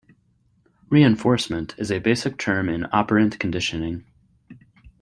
"Reinforcement" is a basic term in operant conditioning.